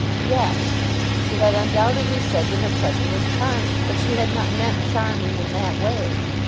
Yes; she had undoubtedly said that her cousin was charming, but she had not meant charming in that way.